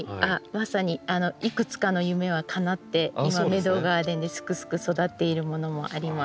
まさにいくつかの夢はかなって今メドウガーデンですくすく育っているものもあります。